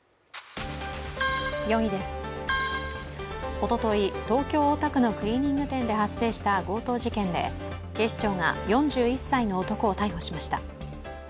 おととい、東京・大田区のクリーニング店で発生した強盗事件で、警視庁が４１歳の男を逮捕しました。